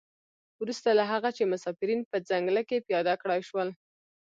وروسته له هغه چې مسافرین په ځنګله کې پیاده کړای شول.